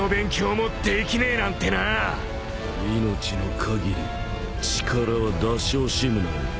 命の限り力は出し惜しむなよ。